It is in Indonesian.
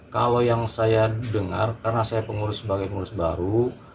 kalau yang saya dengar karena saya pengurus sebagai pengurus baru